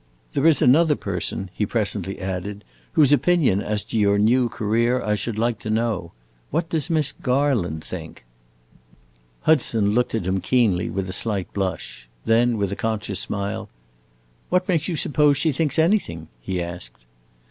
There is another person," he presently added, "whose opinion as to your new career I should like to know. What does Miss Garland think?" Hudson looked at him keenly, with a slight blush. Then, with a conscious smile, "What makes you suppose she thinks anything?" he asked.